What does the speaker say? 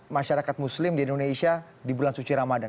masyarakat muslim di indonesia di bulan suci ramadan